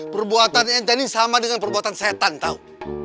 perbuatan itu sama dengan perbuatan setan tahu